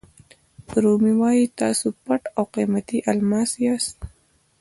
رومي وایي تاسو پټ او قیمتي الماس یاست.